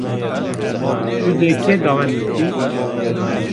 Tu dê kê dawet bikî.